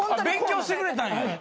勉強してくれたんや。